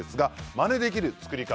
まねできる作り方